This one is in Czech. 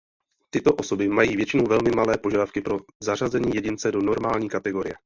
Tyto osoby mají většinou velmi malé požadavky pro zařazení jedince do normální kategorie.